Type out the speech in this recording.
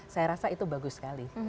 saya rasa itu bagus sekali